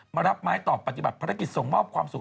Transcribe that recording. มารับไม้ตอบปฏิบัติภารกิจส่งมอบความสุข